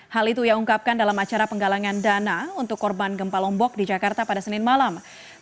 hal itu ia ungkapkan dalam acara penggalangan dana untuk korban gempa lombok di jakarta pada senin malam